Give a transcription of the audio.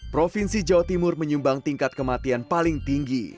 provinsi jawa timur menyumbang tingkat kematian paling tinggi